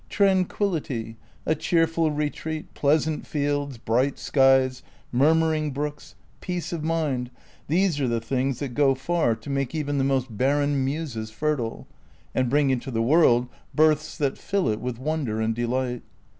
Trancpiillity, a cheerful retreat, pleasant fields, bright skies, murmuring brooks, peace of mind, these are the things that go far to make evei>the most barren muses fertile, and bring into the world births that fill it with wonder and delight.